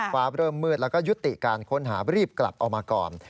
ฟ้าเริ่มมืดแล้วก็ยุติการค้นหารีบกลับออกมาก่อน